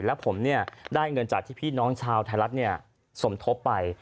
แล้วผมได้เงินจากที่พี่น้องชาวไทยรัฐสมทบไป